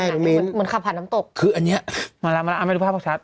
ใช่มิ้นเหมือนขับผ่านน้ำตกคืออันเนี้ยมาแล้วมาแล้วเอาไปดูภาพบอกชัด